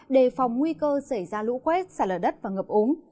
đề phòng nguy cơ xảy ra lũ quét xả lở đất và ngập úng